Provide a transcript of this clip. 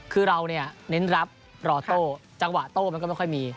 คือเราเนี่ยเน้นรับรอโต้จังหวะโต้มันก็ไม่ค่อยมี